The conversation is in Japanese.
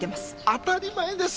当たり前です！